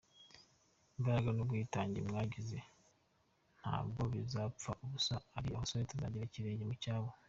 Imbaraga n’ubwitange mwagize ntabwo bizapfa ubusa, turi abasore tuzagera ikirenge mu cyabo.